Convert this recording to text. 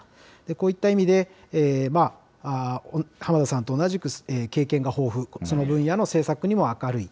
こういった意味で、浜田さんと同じく経験が豊富、その分野の政策にも明るい。